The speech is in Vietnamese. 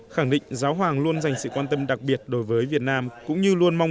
khẳng định giáo hoàng luôn dành sự quan tâm đặc biệt đối với việt nam cũng như luôn mong